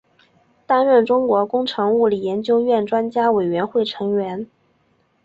担任中国工程物理研究院专家委员会成员。